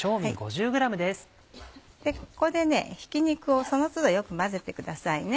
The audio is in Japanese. ここでひき肉をその都度よく混ぜてくださいね。